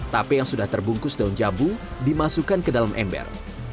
tape yang sudah terbungkus daun jambu dimasukkan ke dalam ember